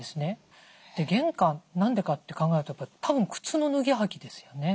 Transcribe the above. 玄関何でかって考えるとたぶん靴の脱ぎ履きですよね。